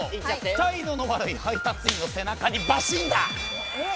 態度の悪い配達員の背中にバシンだ。